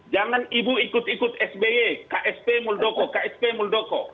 jangan ibu ikut ikut sby ksp muldoko ksp muldoko